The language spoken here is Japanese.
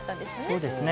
そうですね。